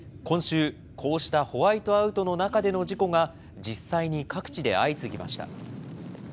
今週、こうしたホワイトアウトの中での事故が実際に各地で相次ぎました。